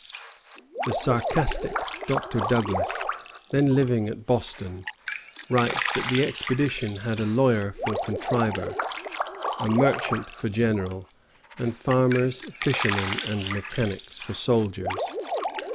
The sarcastic Dr. Douglas, then living at Boston, writes that the expedition had a lawyer for contriver, a merchant for general, and farmers, fishermen, and mechanics for soldiers.